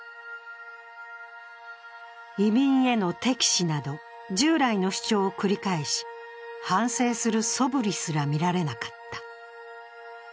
移民への敵視など従来の主張を繰り返し、反省するそぶりすらみられなかった。